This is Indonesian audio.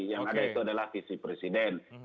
yang ada itu adalah visi presiden